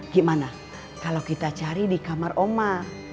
gimana kalau kita cari di kamar oma